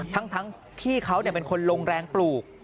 ทั้งที่เขาเป็นคนลงแรงปลูก